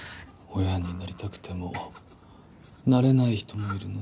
親になりたくてもなれない人もいるのに。